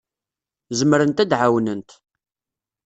Zemrent ad d-ɛawnent.